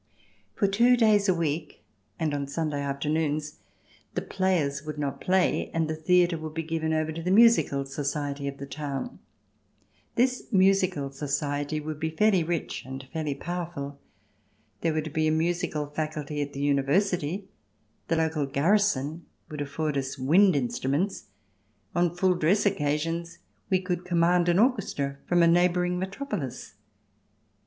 For two days a week and on Sunday afternoons the players would not play, and the theatre would be given over to the Musical Society of the town. This Musical Society would be fairly rich and fairly powerful. There would be a musical faculty at the University ; the local garrison would afford us wind instruments ; on full dress occasions we could command an orchestra from a neighbouring metropolis.